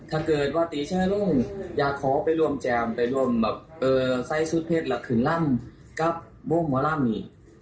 ถ้าเกิดว่าตีแช่ลงอยากขอไปรวมแจมไปรวมแบบเออไซส์สุดเพศหลักขึ้นลำกับว่าลำนี่